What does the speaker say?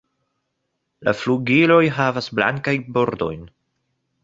La flugiloj havas blankajn bordojn.